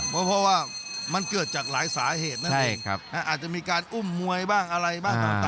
เพราะว่ามันเกิดจากหลายสาเหตุนั่นเองอาจจะมีการอุ้มมวยบ้างอะไรบ้างต่าง